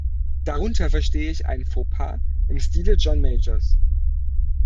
Darunter verstehe ich einen faux pas im Stile John Majors.